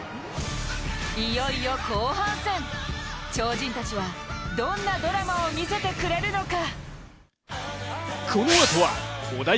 いよいよ後半戦超人たちはどんなドラマを見せてくれるのか。